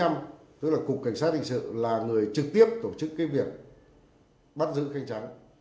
c bốn mươi năm tức là cục cảnh sát hình sự là người trực tiếp tổ chức cái việc bắt giữ khánh trắng